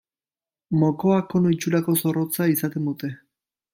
Mokoa, kono itxurako zorrotza izaten dute.